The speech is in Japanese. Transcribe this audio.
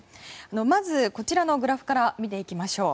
まず、こちらのグラフから見ていきましょう。